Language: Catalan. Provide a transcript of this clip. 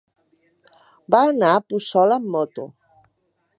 Va anar a Puçol amb moto.